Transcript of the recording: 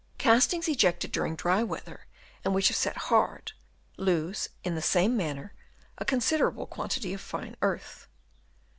Castings ejected during dry weather and which have set hard, lose in the same manner a considerable quantity of fine earth.